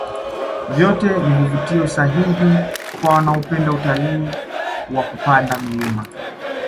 vyote ni vivutio sahihi kwa wanaopenda utalii wa kupanda milima